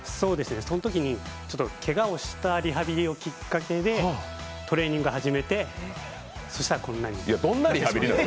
そのときにけがをしたリハビリをきっかけでトレーニング始めて、そしたらこんなにどんなリハビリなの？